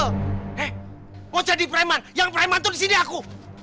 eh mau jadi preman yang preman tuh di sini aku